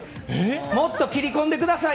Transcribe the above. もっと切り込んできてください。